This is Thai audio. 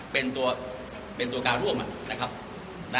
เป็นตัวเป็นตัวการร่วมอ่ะนะครับนะ